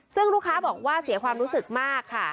ซึ่งลูกค้าบอกว่าเสียความรู้สึกมากค่ะ